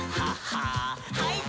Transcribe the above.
はい。